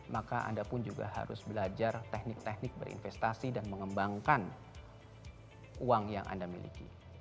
maka anda pun juga harus belajar teknik teknik berinvestasi dan mengembangkan uang yang anda miliki